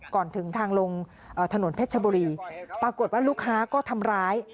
ก่อนถึงทางลงถนนเพชรชบุรีปรากฏว่าลูกค้าก็ทำร้าย